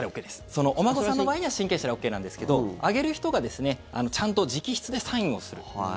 そのお孫さんの場合には親権者でＯＫなんですけどあげる人がですねちゃんと直筆でサインをする。